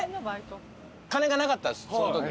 金がなかったそのとき。